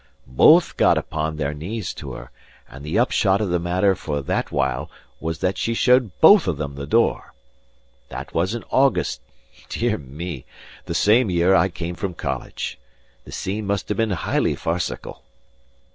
Both got upon their knees to her; and the upshot of the matter for that while was that she showed both of them the door. That was in August; dear me! the same year I came from college. The scene must have been highly farcical."